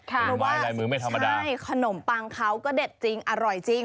ขนมไม้ลายมือไม่ธรรมดาใช่ขนมปังเขาก็เด็ดจริงอร่อยจริง